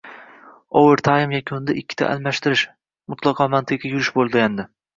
Overtaymlar yakunidagi ikkita almashtirish – mutlaqo mantiqiy yurish bo‘lgandi.